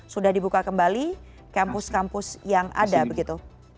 sudah dibuka kembali kampus kampus yang ada begitu